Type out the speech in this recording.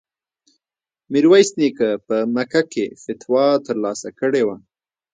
میرویس نیکه په مکه کې فتوا ترلاسه کړې وه.